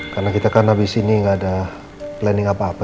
karena kita kan abis ini gak ada planning apa apa